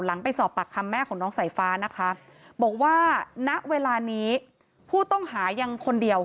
ไปสอบปากคำแม่ของน้องสายฟ้านะคะบอกว่าณเวลานี้ผู้ต้องหายังคนเดียว